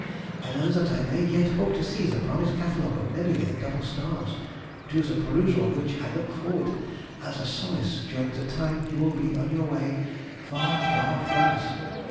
I learn that I may yet hope to see the promised Catalogue of nebulæ and double stars, to the perusal of which I look forward as a solace during the time you will be on your way far, far from us.